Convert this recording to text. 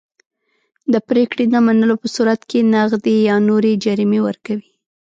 د پرېکړې نه منلو په صورت کې نغدي یا نورې جریمې ورکوي.